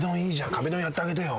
壁ドンやってあげてよ。